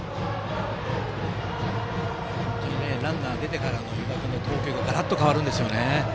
ランナー出てからの湯田君の投球がガラッと変わるんですよね。